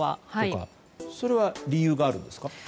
それは理由があるんですか？